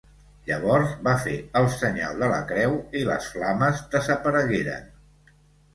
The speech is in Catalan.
Llavors va fer el senyal de la creu i les flames desaparegueren.